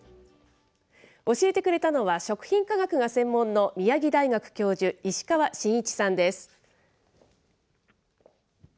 教えてくれたのは、食品科学が専門の、宮城大学教授、石川伸一さんです。